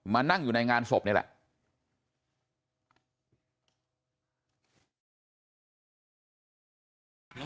มานั่งอยู่ในงานศพนี่แหละ